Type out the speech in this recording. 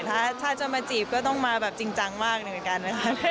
ถ้าจะมาจีบก็ต้องมาแบบจริงจังมากหนึ่งกัน